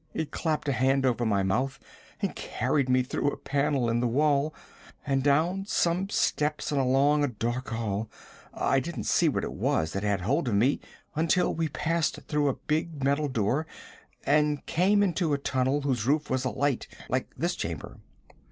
It clapped a hand over my mouth and carried me through a panel in the wall, and down some steps and along a dark hall. I didn't see what it was that had hold of me until we passed through a big metal door and came into a tunnel whose roof was alight, like this chamber.